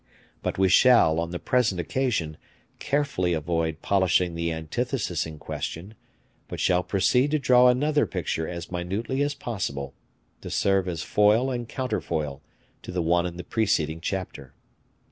But we shall, on the present occasion, carefully avoid polishing the antithesis in question, but shall proceed to draw another picture as minutely as possible, to serve as foil and counterfoil to the one in the preceding chapter.